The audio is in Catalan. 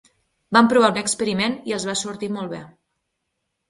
Van provar un experiment i els va sortir molt bé.